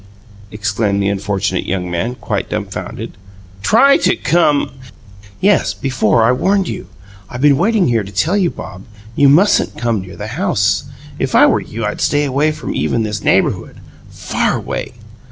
exclaimed the unfortunate young man, quite dumfounded. "TRY to come " "Yes, before I warned you. I've been waiting here to tell you, Bob, you mustn't come near the house if I were you I'd stay away from even this neighbourhood far away!